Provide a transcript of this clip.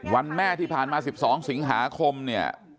วันแม่ที่ผ่านมา๑๒สิงหาคมเนี่ย